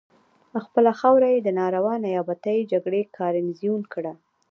خپله خاوره یې د ناروا نیابتي جګړې ګارنیزیون کړه.